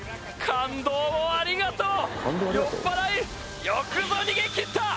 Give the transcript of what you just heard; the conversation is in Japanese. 感動をありがとう！